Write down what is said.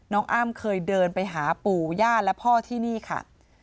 อ้ำเคยเดินไปหาปู่ย่าและพ่อที่นี่ค่ะ